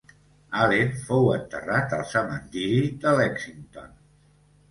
Allen fou enterrat al cementiri de Lexington.